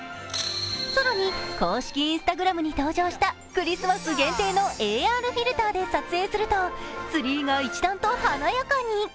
更に公式Ｉｎｓｔａｇｒａｍに登場したクリスマス限定のＡＲフィルターで撮影すると、ツリーが一段と華やかに。